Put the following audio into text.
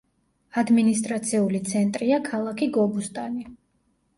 ადმინისტრაციული ცენტრია ქალაქი გობუსტანი.